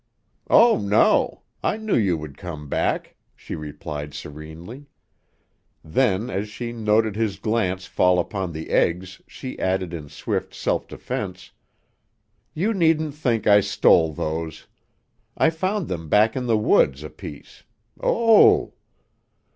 "Oh, no. I knew you would come back," she replied serenely. Then, as she noted his glance fall upon the eggs she added in swift self defense: "You needn't think I stole those; I found them back in the woods a piece. O oh!"